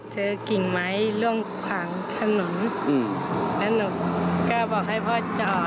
เจอกิ่งไม้ลงขวางถนนแล้วหนูก็บอกให้พ่อจอด